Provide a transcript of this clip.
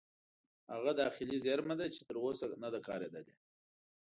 هغه داخلي زیرمه ده چې تر اوسه نه ده کارېدلې.